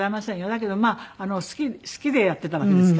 だけどまあ好きでやっていたわけですから。